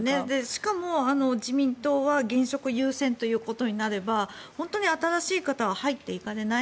しかも、自民党は現職優先ということになれば本当に新しい方が入っていかれない。